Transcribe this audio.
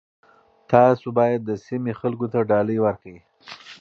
تاسي باید د سیمې خلکو ته ډالۍ ورکړئ.